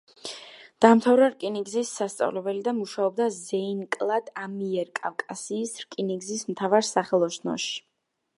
დაამთავრა რკინიგზის სასწავლებელი და მუშაობდა ზეინკლად ამიერკავკასიის რკინიგზის მთავარ სახელოსნოში.